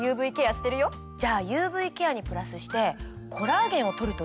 じゃあＵＶケアにプラスしてコラーゲンを取るといいよ。